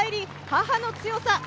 母の強さ。